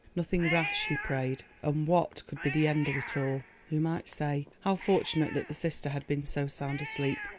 Nothing rash, he prayed. And what could be the end of it all? Who might say? How fortunate that the sister had been so sound asleep.